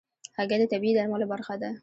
هګۍ د طبيعي درملو برخه ده.